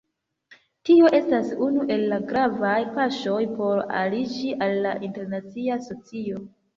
Tio estas unu el la gravaj paŝoj por aliĝi al la internacia socio.